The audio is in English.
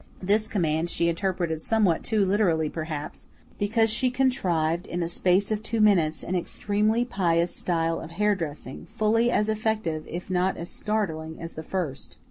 This command she interpreted somewhat too literally perhaps, because she contrived in a space of two minutes an extremely pious style of hairdressing, fully as effective if not as startling as the first.